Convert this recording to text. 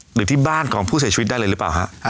หรือที่บ้านของผู้เสียชีวิตได้เลยหรือเปล่าฮะ